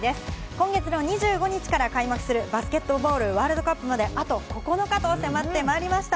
今月の２５日から開幕するバスケットボールワールドカップまであと９日と迫ってまいりました。